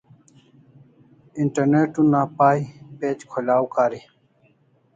Internet una pay page kholaw kari